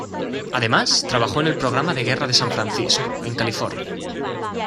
Además trabajó en el Programa de Guerra de San Francisco, en California.